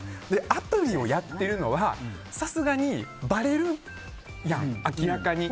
アプリをやってるのはさすがにバレるやん、明らかに。